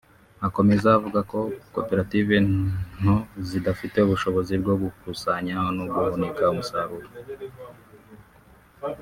Akomeza avuga koperative nto zidafite ubushobozi bwo gukusanya no guhunika umusaruro